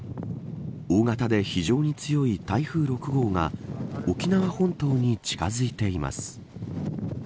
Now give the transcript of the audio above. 大型で非常に強い台風６号が沖縄本島に近づいています。